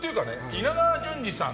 稲川淳二さん。